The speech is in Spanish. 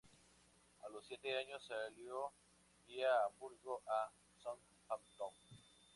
A los siete años salió via Hamburgo a Southampton.